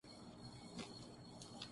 گورا